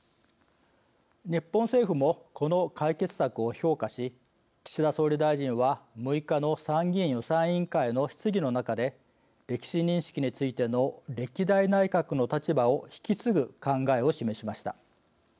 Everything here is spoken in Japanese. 日本政府もこの解決策を評価し岸田総理大臣は６日の参議院予算委員会の質疑の中で歴史認識についての歴代内閣の立場を引き継ぐ考えを示しました。